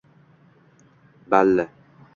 Balli!